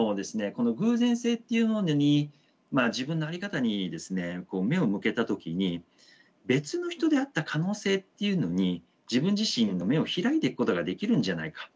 この偶然性っていうものにまあ自分の在り方にですねこう目を向けた時に別の人であった可能性っていうのに自分自身の目を開いていくことができるんじゃないか。